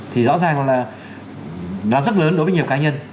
thì rõ ràng là nó rất lớn đối với nhiều cá nhân